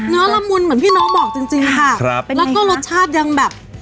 ละมุนเหมือนพี่น้องบอกจริงจริงค่ะครับแล้วก็รสชาติยังแบบ